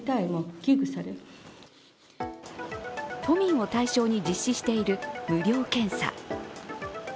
都民を対象に実施している無料検査。